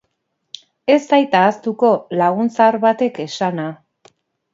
Ez zait ahaztuko, lagun zahar batek esana.